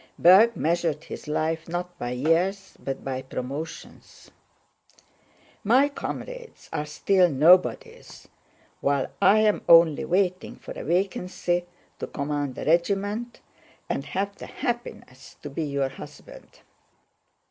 (Berg measured his life not by years but by promotions.) "My comrades are still nobodies, while I am only waiting for a vacancy to command a regiment, and have the happiness to be your husband."